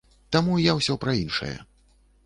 Таму я ўсё пра іншае.